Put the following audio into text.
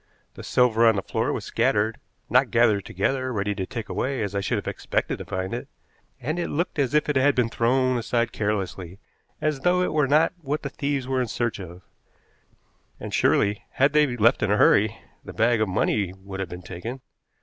The silver on the floor was scattered, not gathered together ready to take away as I should have expected to find it, and it looked as if it had been thrown aside carelessly, as though it were not what the thieves were in search of; and surely, had they left in a hurry, the bag of money would have been taken.